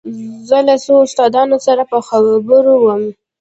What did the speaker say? زه له څو استادانو سره په خبرو وم.